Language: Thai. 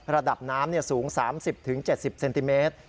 ระดับน้ำสูง๓๐๗๐เซนติเมตร